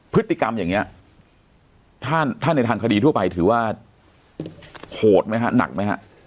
พฤติกรรมอย่างเนี้ยถ้าในทางคดีทั่วไปถือว่าโหดมั้ยถึงหากมั้ย